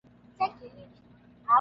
mwisho labda itabidi wanuondoe